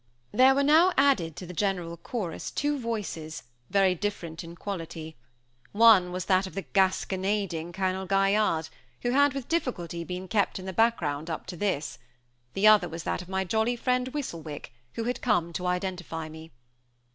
There were now added to the general chorus two voices, very different in quality; one was that of the gasconading Colonel Gaillarde, who had with difficulty been kept in the background up to this; the other was that of my jolly friend Whistlewick, who had come to identify me.